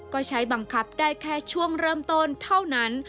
ก็ใช้บังคับได้แค่ช่วงเริ่มต้นเท่านั้น